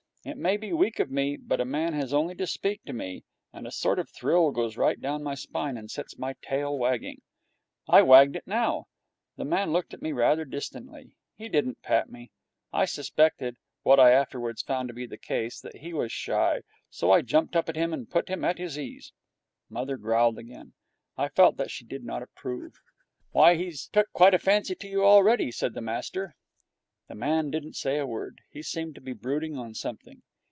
It may be weak of me, but a man has only to speak to me and a sort of thrill goes right down my spine and sets my tail wagging. I wagged it now. The man looked at me rather distantly. He didn't pat me. I suspected what I afterwards found to be the case that he was shy, so I jumped up at him to put him at his ease. Mother growled again. I felt that she did not approve. 'Why, he's took quite a fancy to you already,' said master. The man didn't say a word. He seemed to be brooding on something.